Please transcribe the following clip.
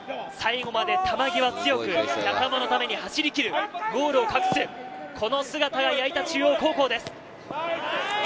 最後まで球際強く仲間のために走りきる、ゴールを隠すその姿が矢板中央高校です。